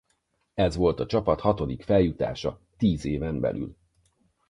Ez volt a csapat hatodik feljutása tíz éven belül.